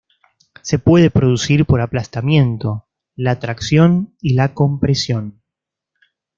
Se puede producir por aplastamiento, la tracción y la compresión.